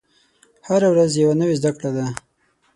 هره ورځ یوه نوې زده کړه ده.